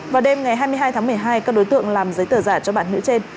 vào đêm ngày hai mươi hai tháng một mươi hai các đối tượng làm giấy tờ giả cho bạn nữ trên